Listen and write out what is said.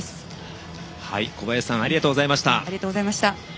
小林さんありがとうございました。